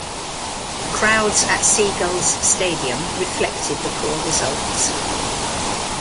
Crowds at Seagulls Stadium reflected the poor results.